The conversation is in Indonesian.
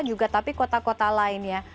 juga tapi kota kota lain ya